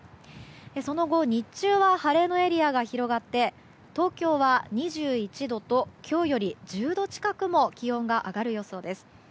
その後、日中は晴れのエリアが広がって東京は２１度と今日より１０度近くも気温が上がる予想です。